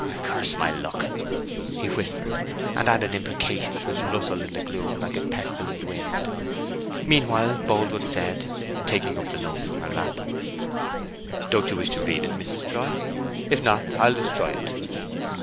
"Curse my luck!" he whispered, and added imprecations which rustled in the gloom like a pestilent wind. Meanwhile Boldwood said, taking up the note from her lap— "Don't you wish to read it, Mrs. Troy? If not, I'll destroy it."